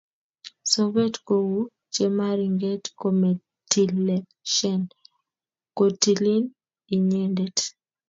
sobet ko u chemaringet kometileshen kotilin inyendet